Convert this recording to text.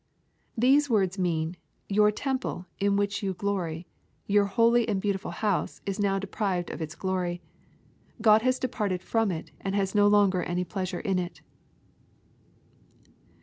\ These words mean, "Your temple, in which you glory, your holy and beautiful house, is now deprived of its glory. God has departed from it, and has no longer any pleasure in it."